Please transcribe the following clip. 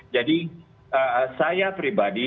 jadi saya pribadi